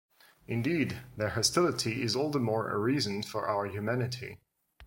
Indeed their hostility is all the more a reason for our humanity.